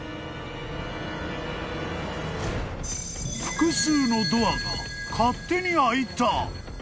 ［複数のドアが勝手に開いた］